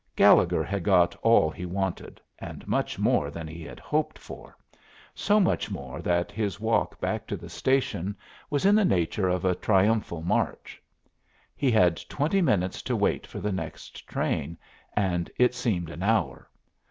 Gallegher had got all he wanted, and much more than he had hoped for so much more that his walk back to the station was in the nature of a triumphal march. He had twenty minutes to wait for the next train, and it seemed an hour.